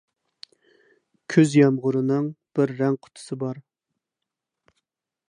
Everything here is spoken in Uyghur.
كۈز يامغۇرىنىڭ بىر رەڭ قۇتىسى بار.